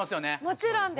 もちろんです！